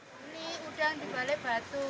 ini udang dibalik batu